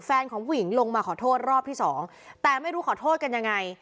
ของผู้หญิงลงมาขอโทษรอบที่สองแต่ไม่รู้ขอโทษกันยังไง